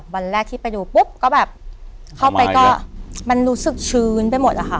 วันแรกที่ไปดูปุ๊บก็แบบเข้าไปก็มันรู้สึกชื้นไปหมดอะค่ะ